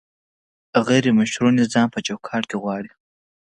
غیر مشروع نظام په چوکاټ کې غواړي؟